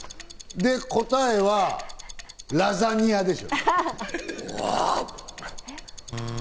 で、答えはラザニアでしょ？